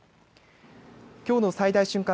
きょうの最大瞬間